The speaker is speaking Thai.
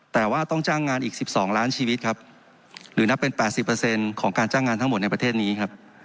แต่ว่าต้องจ้างงานอีก๑๒ล้านชีวิตครับหรือนับเป็น๘๐ของการจ้างงานทั้งหมดในประเทศนี้ครับ